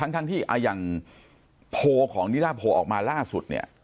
ทั้งที่อย่างโพลของนิล่าโพออกมาล่าสุดเนี่ย